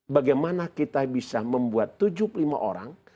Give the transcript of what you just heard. bagaimana kita bisa membuat tujuh puluh lima orang